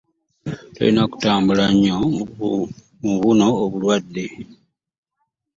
Tolina kutambula nnyo mu buno obulwade.